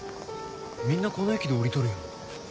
みんなこの駅で降りとるやん。